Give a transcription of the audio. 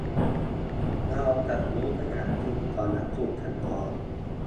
- เราจะรู้ขนาดจริงของวัตถุทั้งสอง